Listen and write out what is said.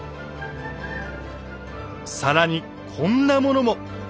更にこんなものも。